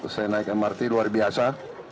saya naik mrt luar biasa